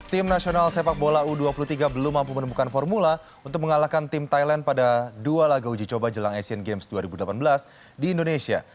tim nasional sepak bola u dua puluh tiga belum mampu menemukan formula untuk mengalahkan tim thailand pada dua laga uji coba jelang asian games dua ribu delapan belas di indonesia